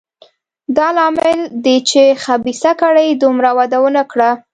دا لامل دی چې خبیثه کړۍ دومره وده ونه کړه.